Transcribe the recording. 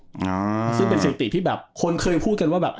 ซึ่งเป็นเศรษฐีที่แบบคนเคยพูดกันว่าแบบ